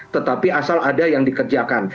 tetapi asal ada yang dikerjakan